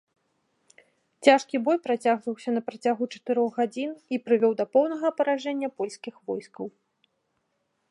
Цяжкі бой працягваўся на працягу чатырох гадзін і прывёў да поўнага паражэння польскіх войскаў.